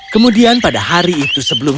dan mengingatkan dia sudah pulang